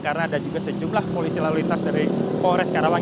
karena ada juga sejumlah polisi lalu lintas dari polres karawang